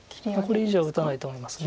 これ以上は打たないと思います。